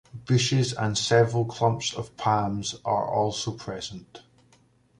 Bushes and several clumps of palms are also present.